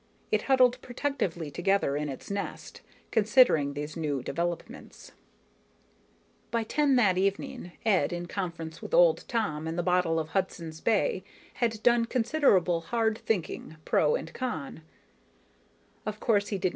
It huddled protectively together in its nest, considering these new developments. By ten that evening, Ed, in conference with old Tom and the bottle of Hudson's Bay, had done considerable hard thinking, pro and con.